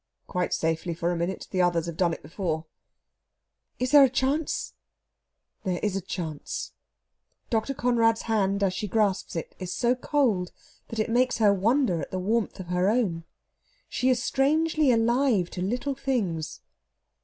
"Quite safely for a minute. The others have done it before." "Is there a chance?" "There is a chance." Dr. Conrad's hand as she grasps it is so cold that it makes her wonder at the warmth of her own. She is strangely alive to little things.